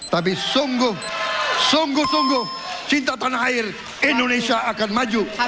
tapi sungguh sungguh cinta tanah air indonesia akan maju